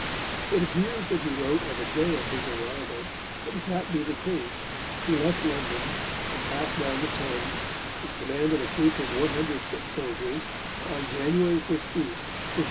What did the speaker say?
It appears that he wrote on the day of his arrival, and if that be the case, he left London, and passed down the Thames, in command of a troop of one hundred foot soldiers, on January 15, 1580.